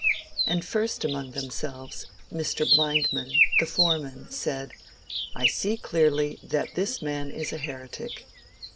And first among themselves, Mr. Blindman, the foreman, said, I see clearly that this man is a heretic.